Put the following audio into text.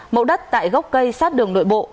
mẫu đất tại gốc cây sát đường nội bộ